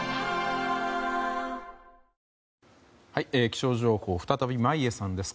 気象情報再び、眞家さんです。